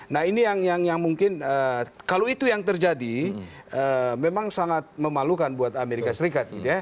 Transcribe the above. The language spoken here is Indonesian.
nah ini yang mungkin kalau itu yang terjadi memang sangat memalukan buat amerika serikat